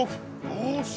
よし。